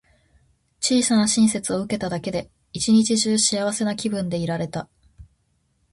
小さな親切を受けただけで、一日中幸せな気分でいられた。